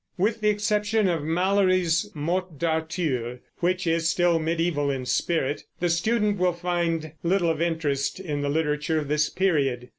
With the exception of Malory's Morte d'Arthur (which is still mediæval in spirit) the student will find little of interest in the literature of this period.